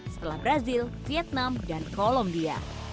setelah brazil vietnam dan kolombia